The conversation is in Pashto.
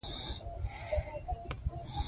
د بولان پټي د افغانستان د جغرافیایي موقیعت پایله ده.